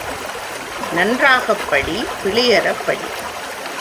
நன்றாகப் படி பிழையறப் படி!